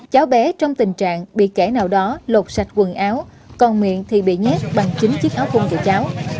cháu bé trong tình trạng bị kẻ nào đó lột sạch quần áo còn miệng thì bị nhét bằng chính chiếc áo cung của cháu